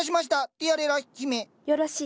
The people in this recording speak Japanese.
よろしい。